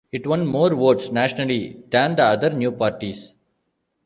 It won more votes nationally than the other new parties.